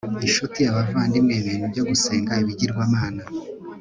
inshuti, abavandimwe, ibintu byo gusenga ibigirwamana